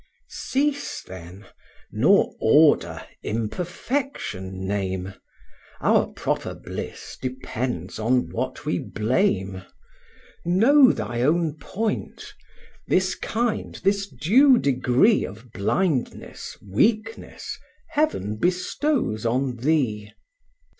X. Cease, then, nor order imperfection name: Our proper bliss depends on what we blame. Know thy own point: this kind, this due degree Of blindness, weakness, Heaven bestows on thee.